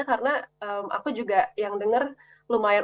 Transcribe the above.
karena aku juga yang denger lumayan